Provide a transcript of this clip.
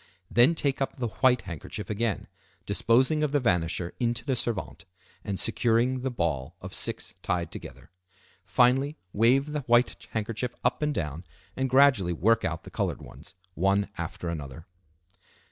Then take up the white handkerchief again, disposing of the vanisher into the servante, and securing the ball of six tied together. Finally wave the white handkerchief up and down, and gradually work out the colored ones, one after another.